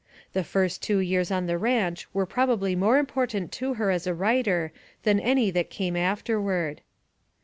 The first two years on the ranch were probably more important to her as a writer than any that came afterward.